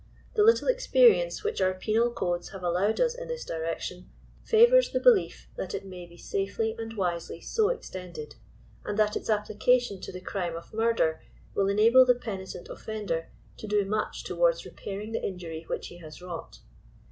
Tiie little experience which our penal codes have allowed us in this direction, favors the belief that it may be safely and wisely so extended, and that its application to the crime of mur der will enable the penitent offender to do much towards repairing the injury which he has wrought.